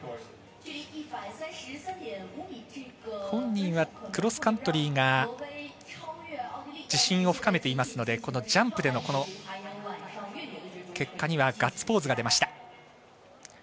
本人はクロスカントリーが自信を深めていますのでこのジャンプでの結果にはガッツポーズが出ました。